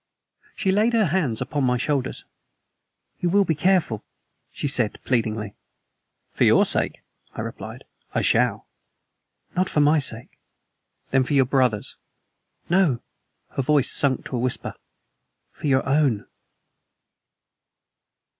She laid her hands upon my shoulders. "You will be careful?" she said pleadingly. "For your sake," I replied, "I shall." "Not for my sake." "Then for your brother's." "No." Her voice had sunk to a whisper. "For your own."